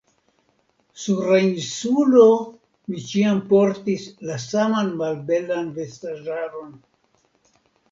Sur la Insulo mi ĉiam portis la saman malbelan vestaĵaron.